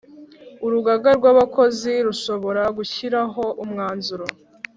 Urugaga rw’ abakozi rushobora gushyiraho umwanzuro